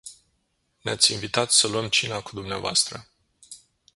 Ne-ați invitat să luăm cina cu dvs.